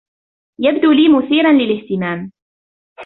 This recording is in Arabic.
يبدو لي مثيرًا للاهتمام.